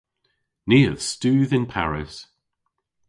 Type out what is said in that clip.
Ni a studh yn Paris.